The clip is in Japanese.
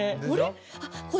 あれ？